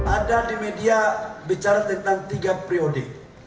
ada di media bicara tentang tiga priode